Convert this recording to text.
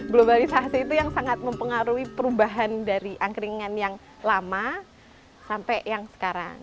globalisasi itu yang sangat mempengaruhi perubahan dari angkringan yang lama sampai yang sekarang